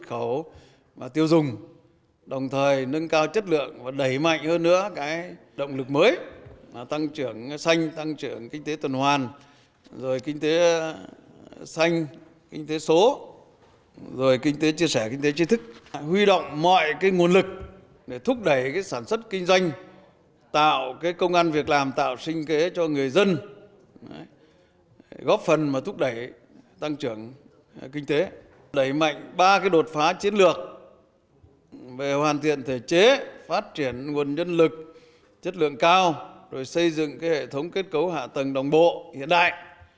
kinh tế số rồi kinh tế chia sẻ kinh tế trí thức huy động mọi nguồn lực để thúc đẩy sản xuất kinh doanh tạo công an việc làm tạo sinh kế cho người dân góp phần mà thúc đẩy tăng trưởng kinh tế đẩy mạnh ba đột phá chiến lược về hoàn thiện thể chế phát triển nguồn nhân lực chất lượng cao xây dựng hệ thống kết cấu hạ tầng đồng bộ hiện đại